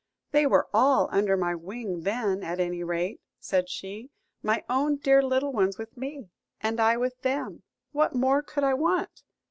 "They were all under my wing then, at any rate," said she; "my own dear little ones with me, and I with them: what more could I want?"